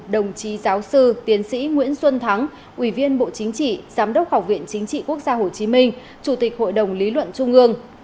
đồng chí giáo sư tiến sĩ nguyễn xuân thắng ủy viên bộ chính trị giám đốc học viện chính trị quốc gia hồ chí minh chủ tịch hội đồng lý luận trung ương